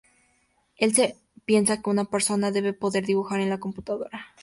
Él se piensa que una persona debe poder dibujar en la computadora.